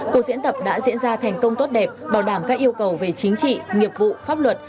cuộc diễn tập đã diễn ra thành công tốt đẹp bảo đảm các yêu cầu về chính trị nghiệp vụ pháp luật